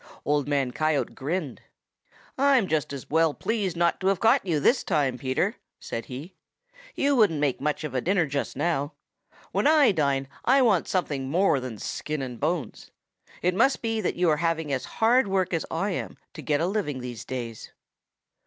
Old Man Coyote grinned. "I'm just as well pleased not to have caught you this time, Peter," said he. "You wouldn't make much of a dinner just now. When I dine I want something more than skin and bones. It must be that you are having as hard work as I am to get a living these days."